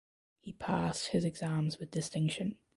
He passed his exams with distinction.